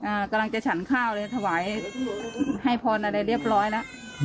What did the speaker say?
กำลังจะฉันข้าวเลยถวายให้พรอะไรเรียบร้อยแล้ว